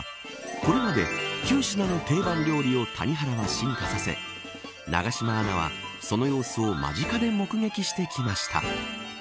これまで９品のテイバン料理を谷原は進化させ永島アナはその様子を間近で目撃してきました。